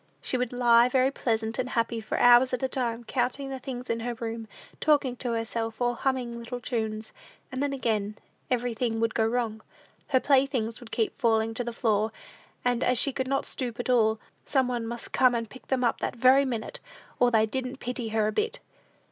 She would lie very pleasant and happy for hours at a time, counting the things in the room, talking to herself, or humming little tunes; and then, again, everything would go wrong. Her playthings would keep falling to the floor, and, as she could not stoop at all, some one must come and pick them up that very minute, or they "didn't pity her a bit."